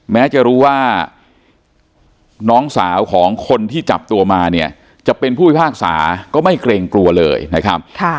แม้จะรู้ว่าน้องสาวของคนที่จับตัวมาเนี่ยจะเป็นผู้พิพากษาก็ไม่เกรงกลัวเลยนะครับ